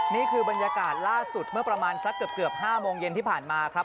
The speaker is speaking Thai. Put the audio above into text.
นี่คือบรรยากาศล่าสุดเมื่อประมาณสักเกือบ๕โมงเย็นที่ผ่านมาครับ